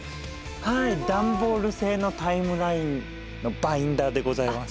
はいダンボール製のタイムラインのバインダーでございます。